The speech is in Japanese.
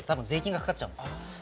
税金はかかっちゃうんですよ。